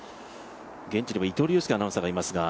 現地にも伊藤隆佑アナウンサーがいますが。